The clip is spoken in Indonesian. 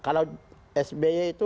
kalau sby itu